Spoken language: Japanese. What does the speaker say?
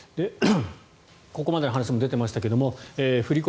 ここまでの話にも出ていましたが振り込め